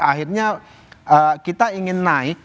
akhirnya kita ingin naik